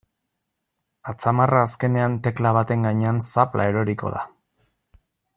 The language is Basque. Atzamarra azkenean tekla baten gainean zapla eroriko da.